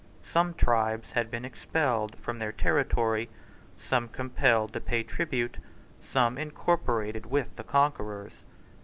Some tribes had been expelled from their territory, some compelled to pay tribute, some incorporated with the conquerors.